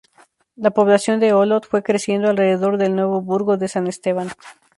La población de Olot fue creciendo alrededor del nuevo burgo de San Esteban.